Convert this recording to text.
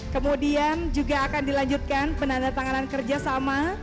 kemudian juga akan dilanjutkan penandatanganan kerjasama